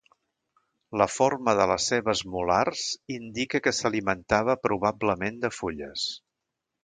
La forma de les seves molars indica que s'alimentava probablement de fulles.